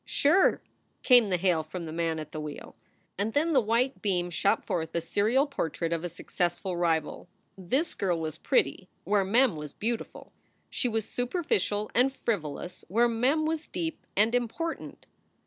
"Sure!" came the hail from the man at the wheel. And then the white beam shot forth a serial portrait of a successful rival. This girl was pretty where Mem was beau tiful. She was superficial and frivolous where Mem was deep and important.